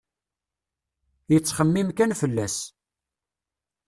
Yettxemmim kan fell-as.